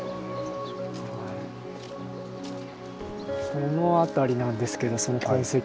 この辺りなんですけどその痕跡。